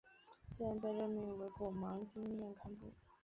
次年被任命为果芒经院堪布。